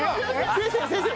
先生先生。